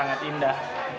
yang sangat indah